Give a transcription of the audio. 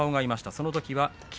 そのときは霧